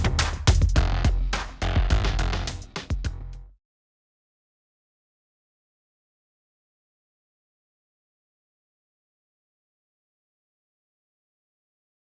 i can take you back